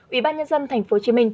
ủy ban nhân dân tp hcm